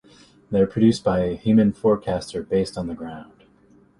They are produced by a human forecaster based on the ground.